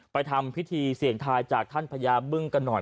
ทำพิธีเสี่ยงทายจากท่านพญาบึ้งกันหน่อย